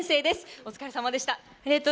お疲れ様でした。